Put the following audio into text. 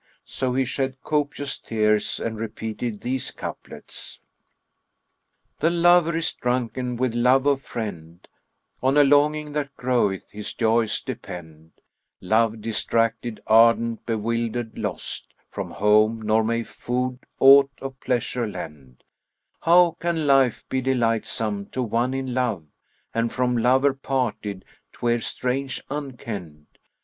So he shed copious tears and repeated these couplets, "The lover is drunken with love of friend; * On a longing that groweth his joys depend: Love distracted, ardent, bewildered, lost * From home, nor may food aught of pleasure lend: How can life be delightsome to one in love, * And from lover parted, 'twere strange, unkenned!